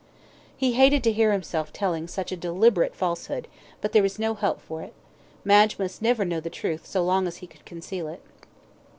He hated to hear himself telling such a deliberate falsehood, but there was no help for it Madge must never know the truth so long as he could conceal it.